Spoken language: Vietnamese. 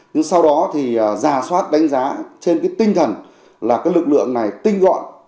nhưng sau đó thì giả soát đánh giá trên cái tinh thần là cái lực lượng này tinh gọn